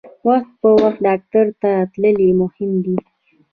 وخت په وخت ډاکټر ته تلل مهم دي.